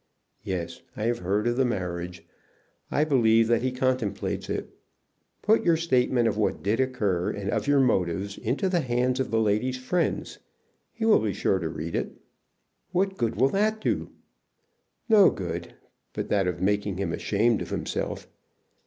"Yes; I have heard of the marriage. I believe that he contemplates it. Put your statement of what did occur, and of your motives, into the hands of the lady's friends. He will be sure to read it." "What good will that do?" "No good, but that of making him ashamed of himself.